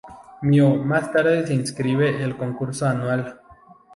Mio más tarde se inscribe en el concurso anual.